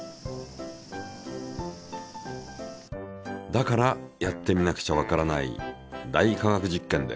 だからやってみなくちゃわからない「大科学実験」で。